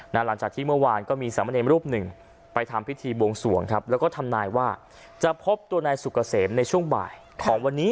หลังจากที่เมื่อวานก็มีสามเณรรูปหนึ่งไปทำพิธีบวงสวงครับแล้วก็ทำนายว่าจะพบตัวนายสุกเกษมในช่วงบ่ายของวันนี้